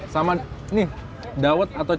sama nih dawet atau